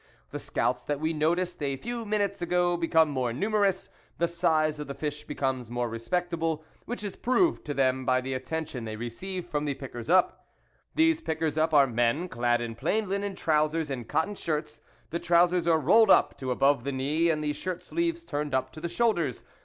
The scouts that we noticed a few minutes ago become more numerous ; the size of the fish becomes more respectable, which is proved to them by the attention they receive from the pickers up. These pickers up are men, clad in plain linen trousers and cotton shirts ; the trousers are rolled up to above the knee, and the shirt sleeves turned up to the shoulders.